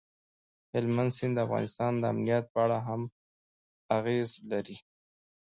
هلمند سیند د افغانستان د امنیت په اړه هم اغېز لري.